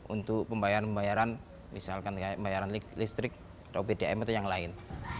untuk pembayaran pembayaran misalkan pembayaran listrik atau bdm atau yang lain